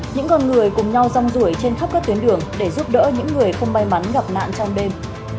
những con người cùng nhau rong rủi trên khắp các tuyến đường để giúp đỡ những người không may mắn gặp nạn trong đêm